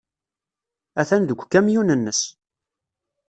Atan deg ukamyun-nnes.